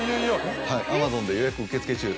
Ａｍａｚｏｎで予約受付中。